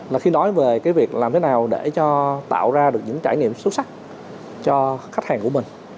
là khi nói về cái việc làm thế nào để cho tạo ra được những trải nghiệm xuất sắc cho khách hàng của mình